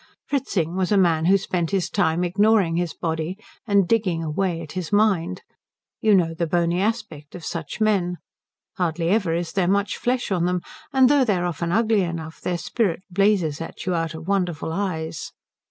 Fritzing was a man who spent his time ignoring his body and digging away at his mind. You know the bony aspect of such men. Hardly ever is there much flesh on them; and though they are often ugly enough, their spirit blazes at you out of wonderful eyes.